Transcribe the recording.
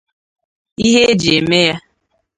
ihe e ji eme ya